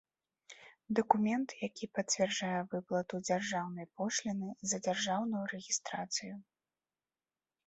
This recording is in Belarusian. Дакумент, якi пацвярджае выплату дзяржаўнай пошлiны за дзяржаўную рэгiстрацыю.